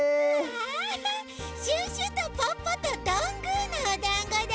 あシュッシュとポッポとどんぐーのおだんごだ！